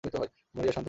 মারিয়া, শান্ত থাকো।